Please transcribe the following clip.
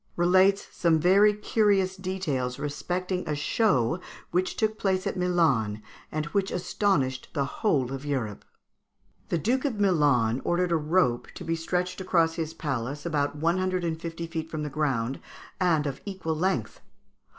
relates some very curious details respecting a show which took place at Milan, and which astonished the whole of Europe: "The Duke of Milan ordered a rope to be stretched across his palace, about one hundred and fifty feet from the ground, and of equal length.